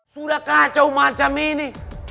sudah kacau macam ini